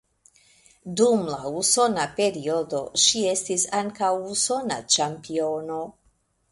Dum la usona periodo ŝi estis ankaŭ usona ĉampiono.